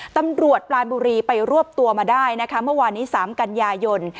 ตำรวจปลานบุรีไปรวบตัวมาได้นะคะเมื่อวานนี้๓กันยายน